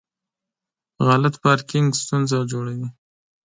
غلط پارکینګ ستونزه جوړوي.